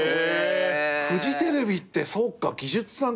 フジテレビってそっか技術さん